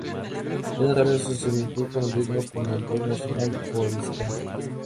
Es notable su similitud con ritmos como el rock nacional o el ska.